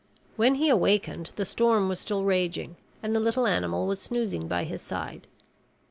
When he awakened, the storm was still raging and the little animal was snoozing by his side.